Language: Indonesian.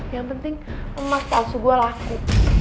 yang penting emas palsu gue laku